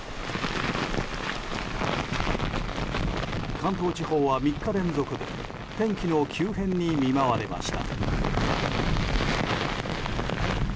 関東地方は３日連続で天気の急変に見舞われました。